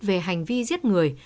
về hành vi giết người